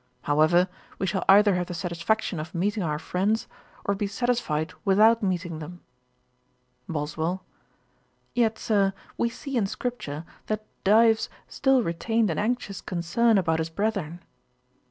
However, we shall either have the satisfaction of meeting our friends, or be satisfied without meeting them.' BOSWELL. 'Yet, Sir, we see in scripture, that Dives still retained an anxious concern about his brethren.'